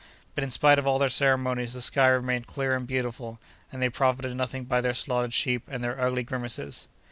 But, in spite of all their ceremonies, the sky remained clear and beautiful, and they profited nothing by their slaughtered sheep and their ugly grimaces.